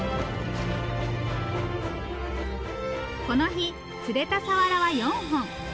この日釣れたサワラは４本。